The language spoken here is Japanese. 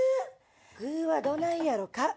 具はどないやろか？